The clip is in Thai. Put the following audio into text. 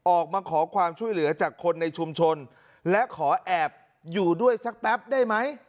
ออกมาขอความช่วยเหลือจากคนในชุมชนและขอแอบอยู่ด้วยสักแป๊บได้ไหม